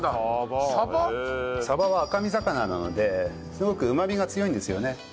サバは赤身魚なのですごくうまみが強いんですよね。